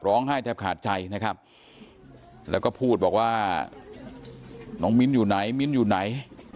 แทบขาดใจนะครับแล้วก็พูดบอกว่าน้องมิ้นอยู่ไหนมิ้นอยู่ไหน